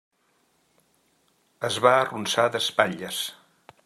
Es va arronsar d'espatlles.